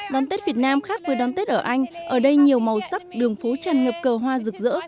đón tết việt nam khác với đón tết ở anh ở đây nhiều màu sắc đường phố tràn ngập cờ hoa rực rỡ